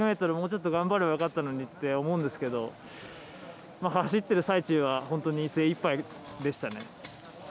もうちょっと頑張ればよかったのにって思うんですが走ってる際中は本当に精いっぱいでしたね。